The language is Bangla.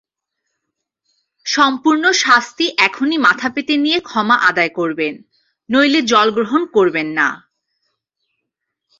সম্পূর্ণ শাস্তি এখনই মাথা পেতে নিয়ে ক্ষমা আদায় করবেন, নইলে জলগ্রহণ করবেন না।